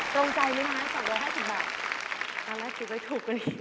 ตรงใจไหมคะ๒๕๐บาทตอนแรกคิดว่าถูกกว่านี้